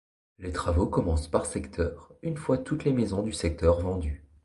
Les travaux commencent par secteur, une fois toutes les maisons du secteur vendues.